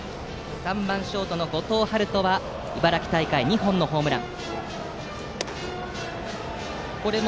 ３番、ショートの後藤陽人は茨城大会２本のホームラン。